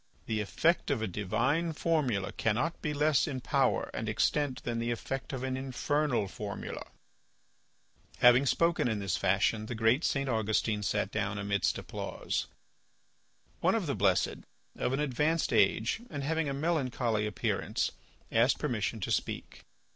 The effect of a divine formula cannot be less in power and extent than the effect of an infernal formula." Having spoken in this fashion the great St. Augustine sat down amidst applause. One of the blessed, of an advanced age and having a melancholy appearance, asked permission to speak.